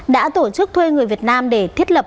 đã tổ chức thuê người việt nam để thiết lập